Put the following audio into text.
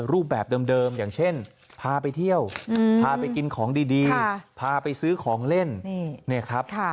รูปแบบเดิมอย่างเช่นพาไปเที่ยวพาไปกินของดีพาไปซื้อของเล่นเนี่ยครับ